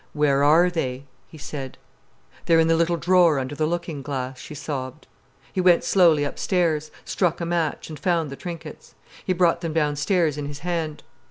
"Where are they?" he said. "They're in the little drawer under the looking glass," she sobbed. He went slowly upstairs, struck a match, and found the trinkets. He brought them downstairs in his hand.